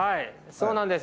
そうなんです。